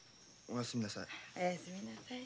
おやすみなさい。